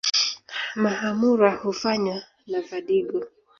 Mahamura hufanywa na vadigo